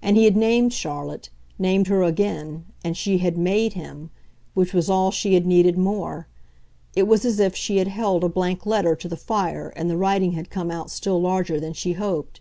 And he had named Charlotte, named her again, and she had MADE him which was all she had needed more: it was as if she had held a blank letter to the fire and the writing had come out still larger than she hoped.